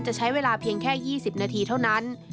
จะใช้เวลาเพียงแค่๒๐นาทีเท่านั้น